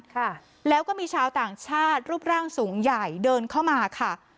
ค่ะแล้วก็มีชาวต่างชาติรูปร่างสูงใหญ่เดินเข้ามาค่ะ